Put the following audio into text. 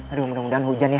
aduh mudah mudahan hujan ya